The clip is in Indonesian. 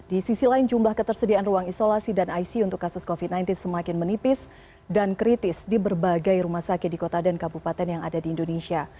di sisi lain jumlah ketersediaan ruang isolasi dan ic untuk kasus covid sembilan belas semakin menipis dan kritis di berbagai rumah sakit di kota dan kabupaten yang ada di indonesia